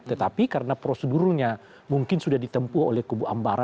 tetapi karena prosedurnya mungkin sudah ditempuh oleh kubu ambara